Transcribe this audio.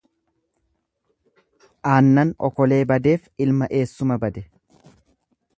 Aannan okolee badeef ilma eessuma bade.